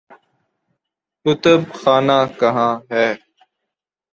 کتب خانہ کہاں ہے؟